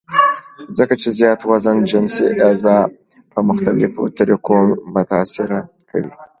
ځکه چې زيات وزن جنسي اعضاء پۀ مختلفوطريقو متاثره کوي -